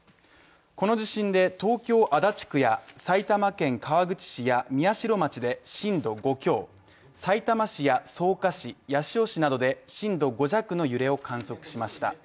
この地震で東京・足立区や埼玉県川口市宮代町で震度５強、さいたま市や草加市、八潮市などで震度５弱の揺れを観測しました。